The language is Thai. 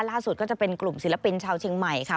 ล่าสุดก็จะเป็นกลุ่มศิลปินชาวชิงใหม่ค่ะ